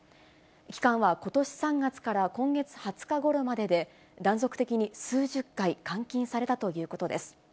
期間はことし３月から今月２０日ごろまでで、断続的に数十回、監禁されたということです。